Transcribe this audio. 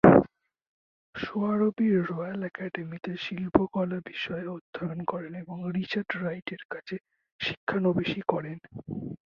সোয়ারবি royal অ্যাকাডেমিতে শিল্পকলা বিষয়ে অধ্যয়ন করেন এবং রিচার্ড রাইটের কাছে শিক্ষানবিশি করেন।